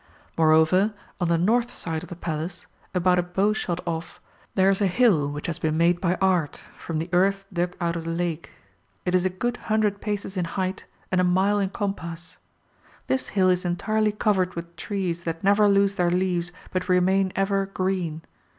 ^^ Moreover on the north side of the Palace, about a bow shot off, there is a hill which has been made by art [from the earth dug out of the lake] ; it is a good hundred paces in height and a mile in compass. This hill is entirely covered with trees that never lose their leaves, but remain ever green.